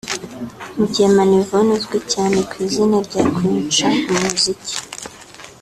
Mugemana Yvonne uzwi cyane ku izina rya Queen Cha mu muziki